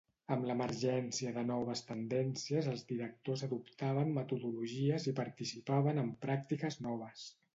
Amb l'emergència de noves tendències els directors adoptaven metodologies i participaven en pràctiques noves.